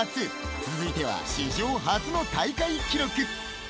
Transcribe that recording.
続いては史上初の大会記録。